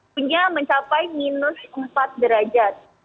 punya mencapai minus empat derajat